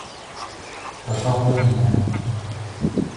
เราชอบเรื่องนี้นะ